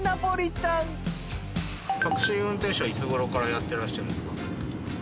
タクシー運転手はいつごろからやってらっしゃるんですか？